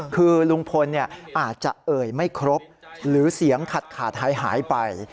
คือลุงพลอาจจะเอ่ยไม่ครบหรือเสียงขาดหายไป